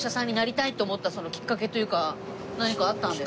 何かあったんですか？